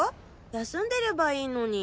休んでればいいのに。